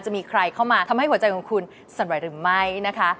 จะมีใครเข้ามาทำให้หัวใจของคุณสั่นไหวหรือไม่นะคะ